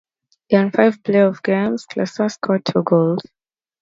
In five playoff games, Klesla scored two goals.